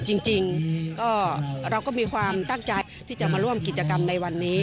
จริงก็เราก็มีความตั้งใจที่จะมาร่วมกิจกรรมในวันนี้